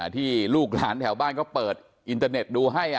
ที่ลูกหลานแถวบ้านก็เปิดอินเตอร์เน็ตดูให้